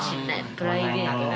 プライベート。